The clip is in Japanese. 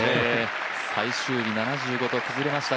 最終日７５と崩れました